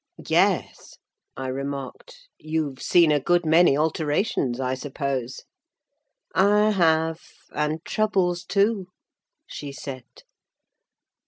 "Yes," I remarked, "you've seen a good many alterations, I suppose?" "I have: and troubles too," she said.